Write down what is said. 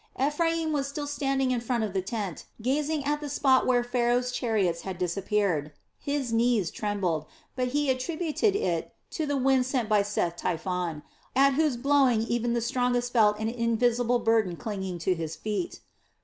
Ephraim was still standing in front of the tent, gazing at the spot where Pharaoh's chariots had disappeared. His knees trembled, but he attributed it to the wind sent by Seth Typhon, at whose blowing even the strongest felt an invisible burden clinging to their feet.